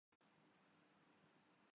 کیا دنیا میں الرجی واقعی بڑھ رہی ہے